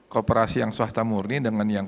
kooperasi yang swasta murni dengan yang